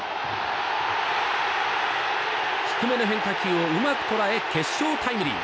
低めの変化球をうまく捉え決勝タイムリー。